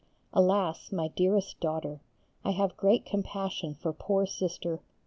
Alas! my dearest daughter, I have great compassion for poor Sister